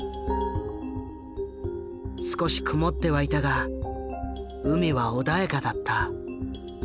少し曇ってはいたが海は穏やかだった。